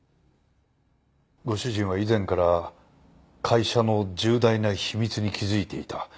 ご主人は以前から会社の重大な秘密に気づいていた。